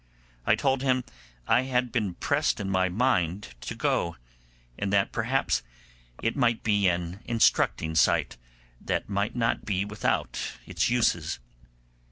I told him I had been pressed in my mind to go, and that perhaps it might be an instructing sight, that might not be without its uses.